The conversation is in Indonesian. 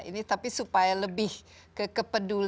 ini tapi supaya lebih kekelompok